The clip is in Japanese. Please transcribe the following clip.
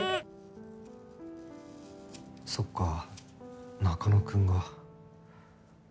そっか中野くんが。